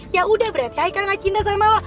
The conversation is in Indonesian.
yaudah berarti haikal gak cinta sama lo